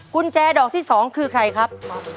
กุญแจดอกที่๒คือใครครับ